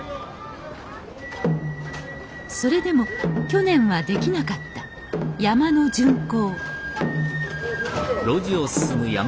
それでも去年はできなかった山車の巡行